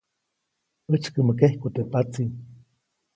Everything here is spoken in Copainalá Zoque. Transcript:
ʼÄjtsykäʼmä kejku teʼ patsi.